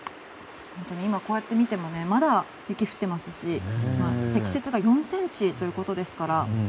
本当に今こうやって見てもまだ雪が降っていますし積雪が４ｃｍということですから。